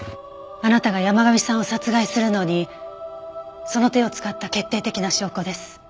あなたが山神さんを殺害するのにその手を使った決定的な証拠です。